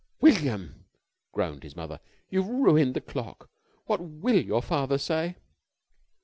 _" "William!" groaned his mother, "you've ruined the clock. What will your father say?"